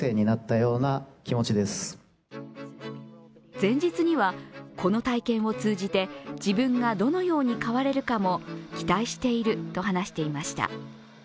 前日にはこの体験を通じて自分がどのように変われるかも期待していると話していました。